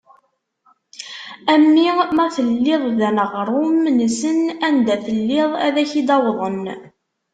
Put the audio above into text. A mmi ma telliḍ d aneɣrum-nsen, anda telliḍ ad ak-id-awḍen.